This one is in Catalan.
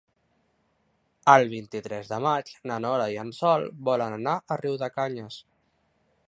El vint-i-tres de maig na Nora i en Sol volen anar a Riudecanyes.